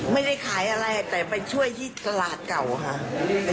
ไม่ได้ขายอะไรแต่ไปช่วยที่ตลาดเก่าค่ะ